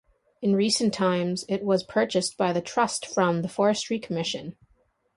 In recent times it was purchased by the Trust from the Forestry Commission.